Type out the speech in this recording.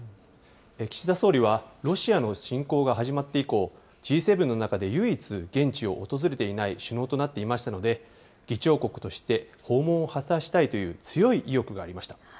岸田総理はロシアの侵攻が始まって以降、Ｇ７の中で唯一現地を訪れていない首脳となっていましたので、議長国として訪問を果たしたいという強い意欲がありました。